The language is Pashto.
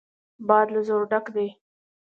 باد له زور ډک دی.